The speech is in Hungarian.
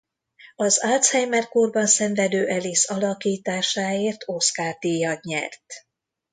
Az Alzheimer-kórban szenvedő Alice alakításáért Oscar-díjat nyert.